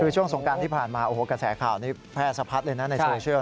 คือช่วงสงการที่ผ่านมากระแสขาวนี้แพร่สับพัดเลยนะในเชอร์เชียล